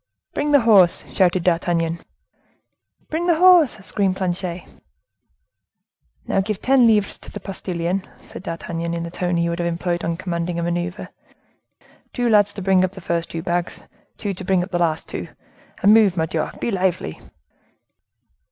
"Bring the horse!" shouted D'Artagnan. "Bring the horse!" screamed Planchet. "Now give ten livres to the postilion," said D'Artagnan, in the tone he would have employed in commanding a maneuver; "two lads to bring up the first two bags, two to bring up the two last,—and move, Mordioux! be lively!"